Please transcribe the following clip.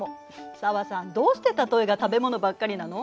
紗和さんどうして例えが食べ物ばっかりなの？